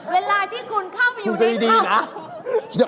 เวลาที่คุณเข้าไปอยู่ในพลับ